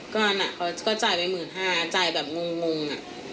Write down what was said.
ก็อันน่ะเขาก็จ่ายไป๑๕๐๐๐จ่ายแบบงงอะ